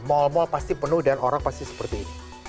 mall mall pasti penuh dan orang pasti seperti ini